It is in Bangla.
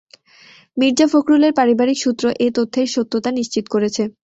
মির্জা ফখরুলের পারিবারিক সূত্র এ তথ্যের সত্যতা নিশ্চিত করেছে।